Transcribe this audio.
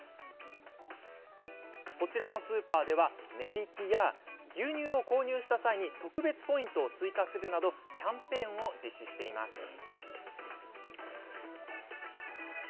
こちらのスーパーでは値引きや牛乳を購入した際に特別ポイントを追加するなどキャンペーンを実施しています。